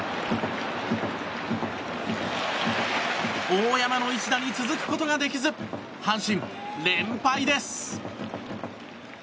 大山の一打に続くことができず阪神、連敗です。